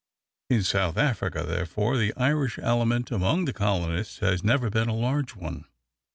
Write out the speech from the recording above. In South Africa, therefore, the Irish element among the colonists has never been a large one.